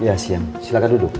iya siang silahkan duduk